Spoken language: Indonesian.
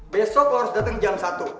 besok lo harus datang jam satu